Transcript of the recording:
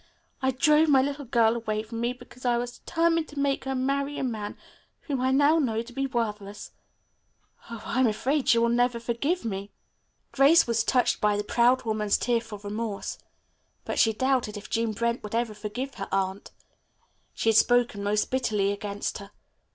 "I drove my little girl away from me because I was determined to make her marry a man whom I now know to be worthless. Oh, I am afraid she will never forgive me." Grace was touched by the proud woman's tearful remorse, but she doubted if Jean Brent would forgive her aunt. She had spoken most bitterly against her.